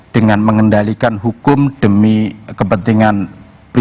dengan mengendalikan hukum demi kepentingan